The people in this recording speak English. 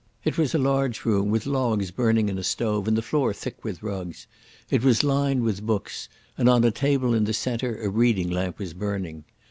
It was a large room, with logs burning in a stove, and the floor thick with rugs. It was lined with books, and on a table in the centre a reading lamp was burning.